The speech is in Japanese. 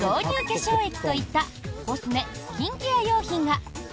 化粧液といったコスメ・スキンケア用品が。